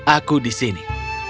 aku di sini